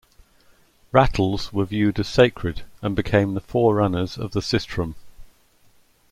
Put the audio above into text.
Rattles were viewed as sacred and became the forerunners of the sistrum.